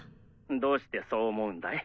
どうしてそう思うんだい？